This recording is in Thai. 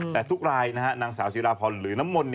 แต่ทุกรายนางสาวจิราพรหรือน้ำมนต์